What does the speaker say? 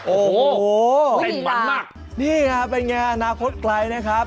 โอ้โหเต้นมันมากนี่ค่ะเป็นไงอาณาโพสต์ไกรนะครับ